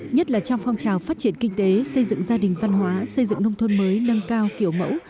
nhất là trong phong trào phát triển kinh tế xây dựng gia đình văn hóa xây dựng nông thôn mới nâng cao kiểu mẫu